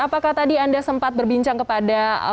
apakah tadi anda sempat berbincang kepada